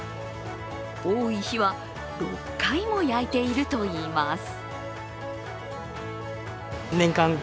多い日は、６回も焼いているといいます。